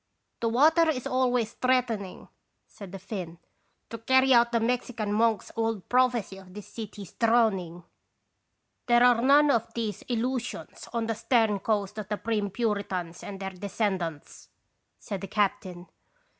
"The water is always threatening," said the Finn, "to carry out the Mexican monk's old prophecy of this city's drowning." " There are none of these illusions on the stern coast of the prim Puritans and their descendants," said the captain.